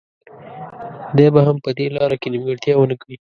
دی به هم په دې لاره کې نیمګړتیا ونه کړي.